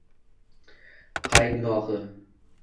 Qay gunohi